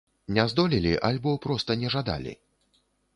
Не здолелі альбо проста не жадалі?